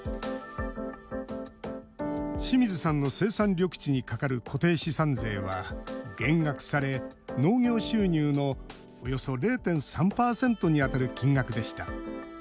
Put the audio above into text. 清水さんの生産緑地にかかる固定資産税は減額され農業収入のおよそ０．３％に当たる金額でした。